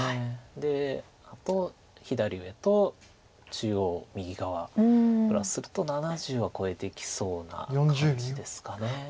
であと左上と中央右側プラスすると７０は超えてきそうな感じですか。